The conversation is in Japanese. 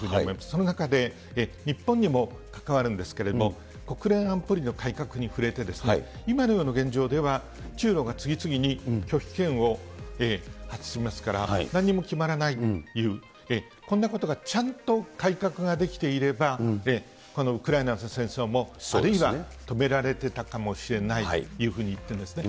その中で、日本にも関わるんですけれども、国連安保理の改革にふれて、今のような現状では、中ロが次々に拒否権を発しますから、何も決まらないという、こんなことがちゃんと改革ができていれば、このウクライナの戦争も、あるいは止められていたかもしれないというふうに言っているんですね。